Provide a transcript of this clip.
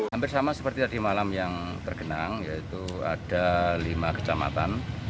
hampir sama seperti tadi malam yang tergenang yaitu ada lima kecamatan